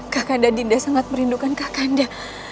kakanda dinda sangat merindukan kakanda